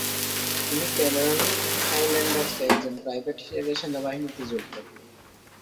তিনি ক্যামেরন হাইল্যান্ডারসে একজন প্রাইভেট হিসেবে সেনাবাহিনীতে যোগ দেন।